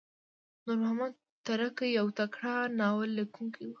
نورمحمد ترهکی یو تکړه ناوللیکونکی وو.